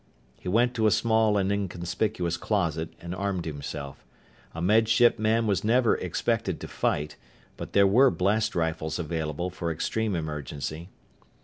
He went to a small and inconspicuous closet and armed himself. A Med Ship man was not ever expected to fight, but there were blast rifles available for extreme emergency.